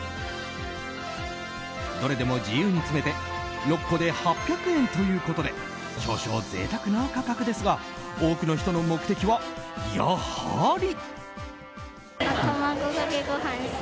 どれでも自由に詰めて６個で８００円ということで少々贅沢な価格ですが多くの人の目的は、やはり。